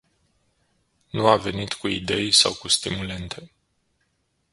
Nu a venit cu idei sau cu stimulente.